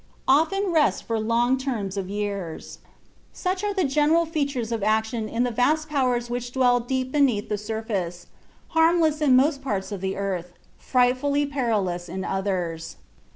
OFTEN REST FOR LONG TERMS OF YEARS Such are the general features of action in the vast powers which dwell deep beneath the surface, harmless in most parts of the earth, frightfully perilous in others.